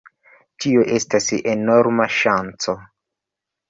Tio estas enorma ŝanco.